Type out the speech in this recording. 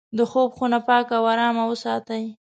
د خوب خونه پاکه او ارامه وساتئ.